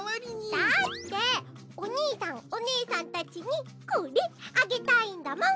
だっておにいさんおねえさんたちにこれあげたいんだもん。